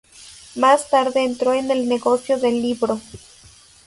Más tarde entró en el negocio del libro.